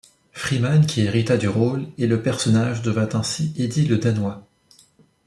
Freeman qui hérita du rôle et le personnage devint ainsi Eddie le Danois.